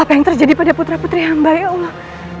apa yang terjadi pada putra putri hamba ya allah